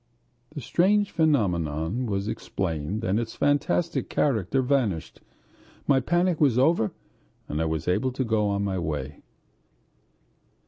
The strange phenomenon was explained and its fantastic character vanished. My panic was over and I was able to go on my way.